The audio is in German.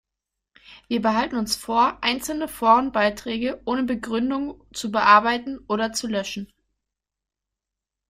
Wir behalten uns vor, einzelne Forenbeiträge ohne Begründung zu bearbeiten oder zu löschen.